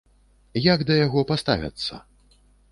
Як да яго паставяцца?